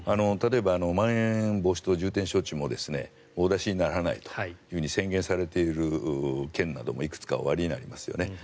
例えばまん延防止等重点措置もお出しにならないと宣言されている県などもいくつかおありになりますよね。